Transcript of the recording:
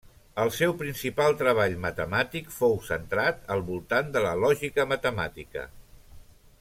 El seu principal treball matemàtic fou centrat al voltant de la lògica matemàtica.